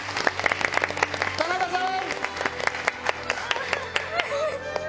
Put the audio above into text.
田中さん！